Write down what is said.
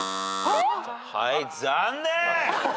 はい残念。